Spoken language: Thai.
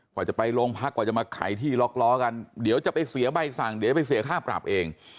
กว่าจะไปโรงพักกว่าจะมาไขที่ล็อกล้อกันเดี๋ยวจะไปเสียใบสั่งเดี๋ยวไปเสียค่าปรับเอง